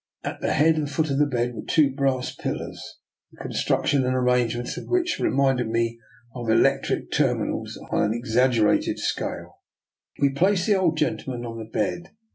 At the head and foot of the bed were two brass pil (C 1 66 DR. NIKOLA'S EXPERIMENT. lars, the construction and arrangements of which reminded me of electric terminals on an exaggerated scale. We placed the old gentleman on the bed.